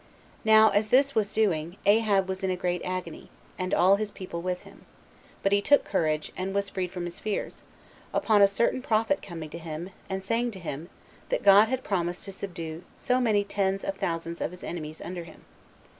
Now, as this was doing, Ahab was in a great agony, and all his people with him; but he took courage, and was freed from his fears, upon a certain prophet coming to him, and saying to him, that God had promised to subdue so many ten thousands of his enemies under him.